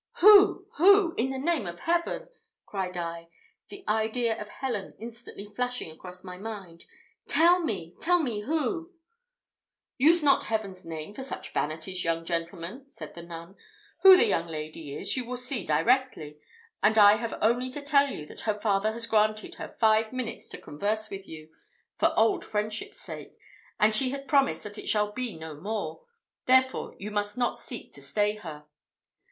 "Who, who? in the name of Heaven!" cried I, the idea of Helen instantly flashing across my mind. "Tell me, tell me who!" "Use not Heaven's name for such vanities, young gentleman," said the nun. "Who the young lady is, you will see directly; and I have only to tell you, that her father has granted her five minutes to converse with you, for old friendship's sake, and she has promised that it shall be no more; therefore you must not seek to stay her."